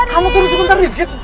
kamu turun sebentar dirgit